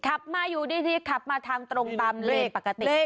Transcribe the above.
ขับมาอยู่ดีขับมาทางตรงตามเลนปกติ